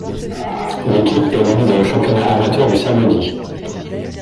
L'équipe évolue dans le championnat amateur du samedi.